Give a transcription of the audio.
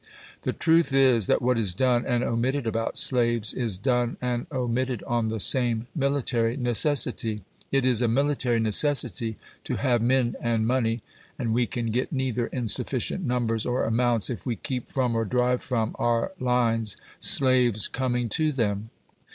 The truth is, that what is done and omitted about slaves is done and omitted on the same military necessity. It is a military necessity to have men and money ; and we can get neither, in sufficient numbers or amounts, if we keep from, or drive from, our lines slaves coming to them.